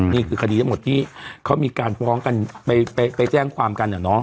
นี่คือคดีทั้งหมดที่เขามีการฟ้องกันไปแจ้งความกัน